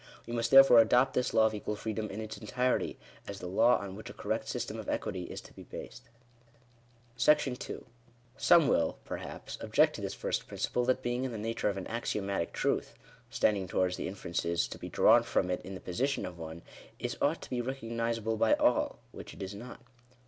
We must therefore adopt this law of equal freedom in its entirety, as the law on which a correct system of equity is to be based. §2. Some will, perhaps, object to this first principle, that being in the nature of an axiomatic truth — standing towards the inferences to be drawn from it in the position of one, it ought to be recognisable by all ; which it is not.